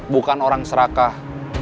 bukan orang serakah